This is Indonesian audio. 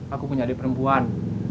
aku punya adik perempuan